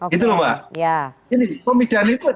gitu lho mbak